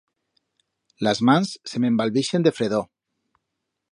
Las mans se m'embalbeixen de fredor.